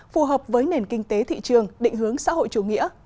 phù hợp với nền kinh tế thị trường định hướng xã hội chủ nghĩa